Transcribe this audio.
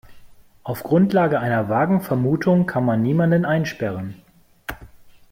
Auf Grundlage einer vagen Vermutung kann man niemanden einsperren.